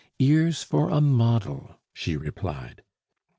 "Ears for a model," she replied.